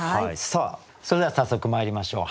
さあそれでは早速まいりましょう。